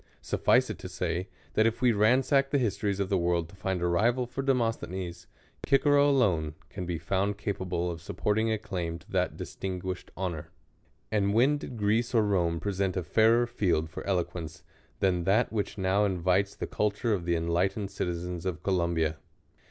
SutBce it to say, that if we ransack the histories of the world to find a rival for Demosthenes, Cicero alone can be found capable of suppoiHing a claim to that distin guished honor. And when did Greece or Rome present a fairei\ field for eloquence than that which now invites the culture of the enlightened citizens of Columbia